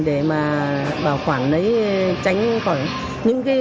để bảo khoản lấy tránh những sự nây nan ra cho gia đình